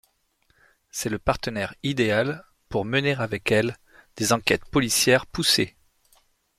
C'est le partenaire idéal pour mener avec elle, des enquêtes policières poussées.